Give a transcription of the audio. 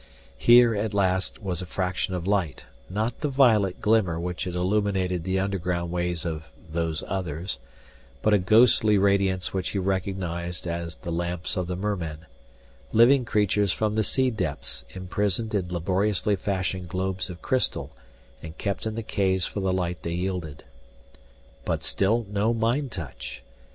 Here at long last was a fraction of light, not the violet glimmer which had illuminated the underground ways of those Others, but a ghostly radiance which he recognized as the lamps of the mermen living creatures from the sea depths imprisoned in laboriously fashioned globes of crystal and kept in the caves for the light they yielded. But still no mind touch!